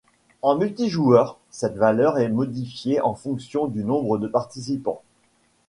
En multijoueur, cette valeur est modifiée en fonction du nombre de participants.